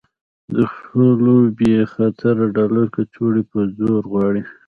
د خپلو بې خرطه ډالري کڅوړو په زور غواړي.